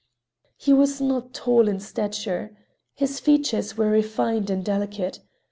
He was not tall in stature. His features were refined and delicate.